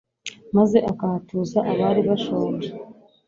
maze akahatuza abari bashonje